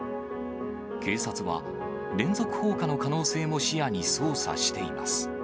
警察は、連続放火の可能性も視野に捜査しています。